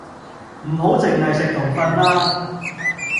唔好剩係食同瞓啦！